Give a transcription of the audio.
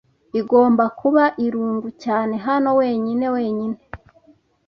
Igomba kuba irungu cyane hano wenyine wenyine.